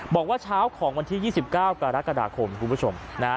บอกว่าเช้าของวันที่๒๙กรกฎาคมคุณผู้ชมนะฮะ